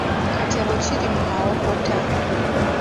katebo kiri mu mawokota.